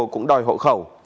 cũng đòi hộ khẩu